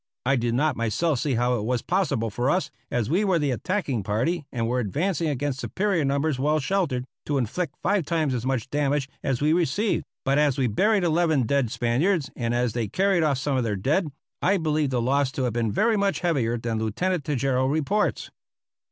I do not myself see how it was possible for us, as we were the attacking party and were advancing against superior numbers well sheltered, to inflict five times as much damage as we received; but as we buried eleven dead Spaniards, and as they carried off some of their dead, I believe the loss to have been very much heavier than Lieutenant Tejeiro reports.